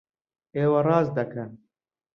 ئێوە ڕاست دەکەن!